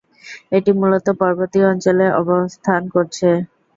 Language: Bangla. এটি মূলত পর্বতীয় অঞ্চলে অবস্থান করছে।